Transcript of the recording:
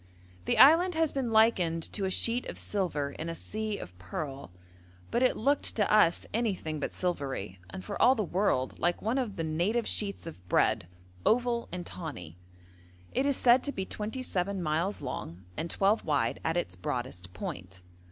The island has been likened to a sheet of silver in a sea of pearl, but it looked to us anything but silvery, and for all the world like one of the native sheets of bread oval and tawny. It is said to be twenty seven miles long and twelve wide at its broadest point.